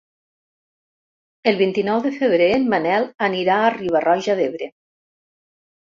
El vint-i-nou de febrer en Manel anirà a Riba-roja d'Ebre.